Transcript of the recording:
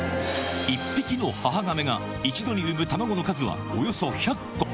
１匹の母ガメが一度に産む卵の数はおよそ１００個。